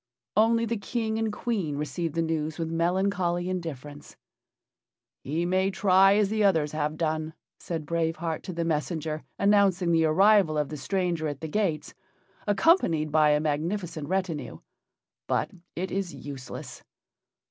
Only the King and Queen received the news with melancholy indifference. "He may try as the others have done," said Brave Heart to the messenger announcing the arrival of the stranger at the gates, accompanied by a magnificent retinue; "but it is useless."